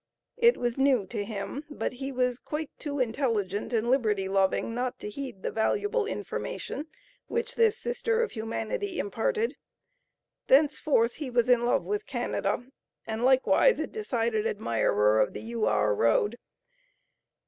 It was new to him, but he was quite too intelligent and liberty loving, not to heed the valuable information which this sister of humanity imparted. Thenceforth he was in love with Canada, and likewise a decided admirer of the U.R. Road.